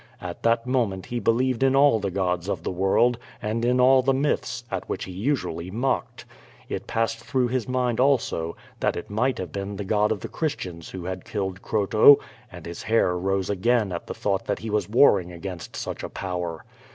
At that moment he believed in all the gods of the world, and in all the n\yths, at which he usually mocked. It passed through his mind also, that it might have been the Qod of the Christians who had killed Croto, and his hair rose again at the thought that he was warring against such a power.